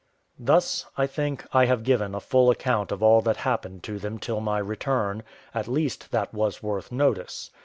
Thus, I think, I have given a full account of all that happened to them till my return, at least that was worth notice.